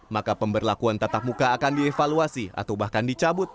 maka pemberlakuan tatap muka akan dievaluasi atau bahkan dicabut